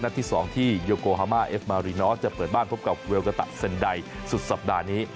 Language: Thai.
ที่๒ที่โยโกฮามาเอฟมารินอสจะเปิดบ้านพบกับเวลกาตะเซ็นไดสุดสัปดาห์นี้